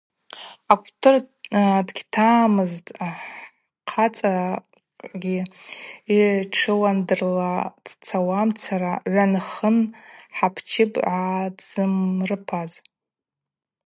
Акъвтыр дыгьтамызтӏ хъацӏакӏгьи, йтшыуандырла дцауамцара, гӏван-хын хӏапчып гӏатзымрыпаз.